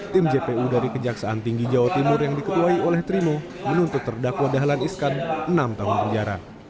tim jpu dari kejaksaan tinggi jawa timur yang diketuai oleh trimo menuntut terdakwa dahlan iskan enam tahun penjara